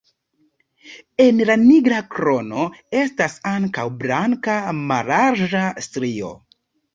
En la nigra krono estas ankaŭ blanka mallarĝa strio.